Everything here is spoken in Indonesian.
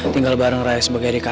tinggal bareng raya sebagai adik kakak